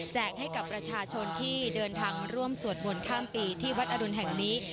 ให้กับประชาชนที่เดินทางมาร่วมสวดมนต์ข้ามปีที่วัดอรุณแห่งนี้